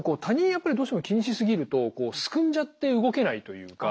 やっぱりどうしても気にしすぎるとすくんじゃって動けないというか。